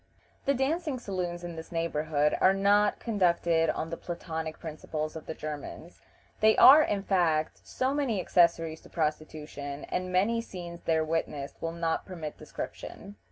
The dancing saloons in this neighborhood are not conducted on the platonic principles of the Germans. They are, in fact, so many accessories to prostitution, and many scenes there witnessed will not permit description.